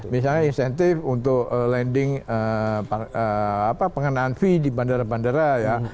misalnya insentif untuk landing pengenaan fee di bandara bandara ya